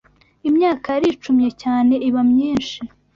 Imyaka yaricumye cyane iba myinshi